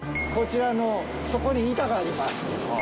こちらのそこに板があります。